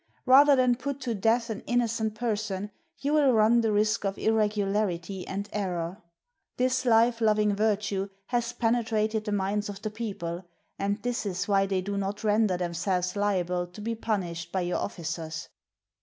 Rather than put to death an innocent person, you will run the risk of irregularity and error. This life loving virtue has penetrated the minds of the people, and this is why they do not render themselves Hable to be punished by your officers."